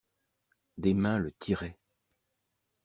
Des mains le tiraient.